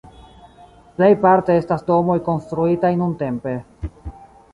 Plej parte estas domoj konstruitaj nuntempe.